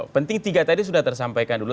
penting tiga tadi sudah tersampaikan dulu